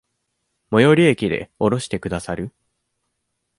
最寄駅で降ろしてくださる？